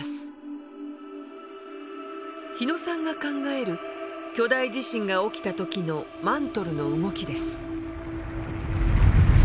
日野さんが考える巨大地震が起きた時のマントルの動きです。